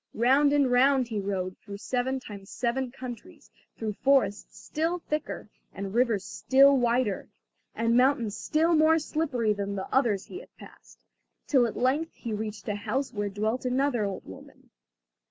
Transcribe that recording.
Round and round he rode, through seven times seven countries, through forests still thicker, and rivers still wider, and mountains still more slippery than the others he had passed, till at length he reached a house where dwelt another old woman.